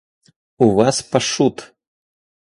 У вас пашут.